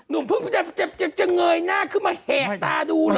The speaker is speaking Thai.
นุ่มเพิ่งจะเงยหน้าขึ้นมาแหกตาดูเหรอ